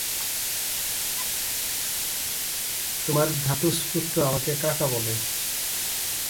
তোমার ভ্রাতুষ্পুত্র আমাকে কাকা বলে?